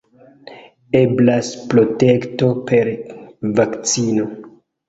Eblas protekto per vakcino.